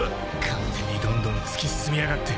勝手にどんどん突き進みやがって。